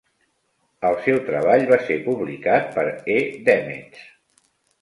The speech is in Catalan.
El seu treball va ser publicat per E. Demets.